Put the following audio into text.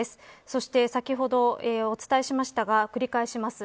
そして先ほどお伝えしましたが繰り返します。